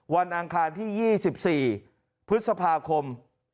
วันอังคารที่๒๔พฤษภาคม๒๐๒๒